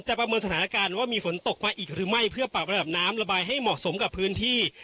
ประเมินสถานการณ์ว่ามีฝนตกมาอีกหรือไม่เพื่อปรับระดับน้ำระบายให้เหมาะสมกับพื้นที่